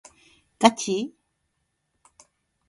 ガチ？